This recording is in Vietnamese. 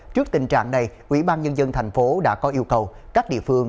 trước tình trạng này ủy ban nhân dân thành phố đã có yêu cầu các địa phương